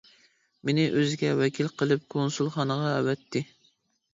مېنى ئۆزىگە ۋەكىل قىلىپ كونسۇلخانىغا ئەۋەتتى.